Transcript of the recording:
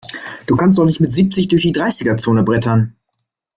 Du kannst doch nicht mit siebzig durch die Dreißiger-Zone brettern!